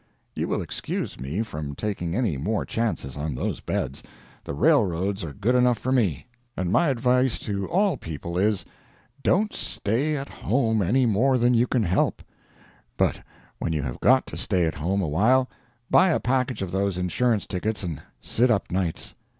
You will excuse me from taking any more chances on those beds. The railroads are good enough for me. And my advice to all people is, Don't stay at home any more than you can help; but when you have got to stay at home a while, buy a package of those insurance tickets and sit up nights.